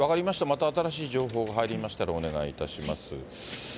また新しい情報が入りましたらお願いいたします。